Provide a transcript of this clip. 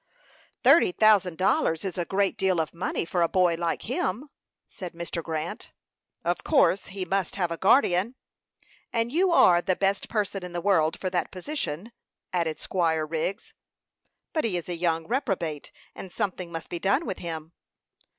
"Thirty thousand dollars is a great deal of money for a boy like him," said Mr. Grant. "Of course he must have a guardian." "And you are the best person in the world for that position," added Squire Wriggs. "But he is a young reprobate, and something must be done with him."